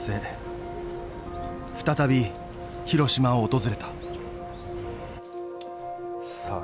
再び広島を訪れたさあ